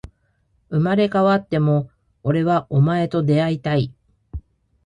生まれ変わっても、俺はお前と出会いたい